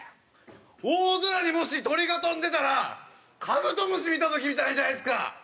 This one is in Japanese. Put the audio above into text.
大空にもし鳥が飛んでたらカブトムシ見た時みたいじゃないですか！